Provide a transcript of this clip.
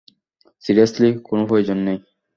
Seriously, কোনো প্রয়োজন নেই।